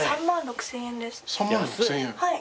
３万６，０００円。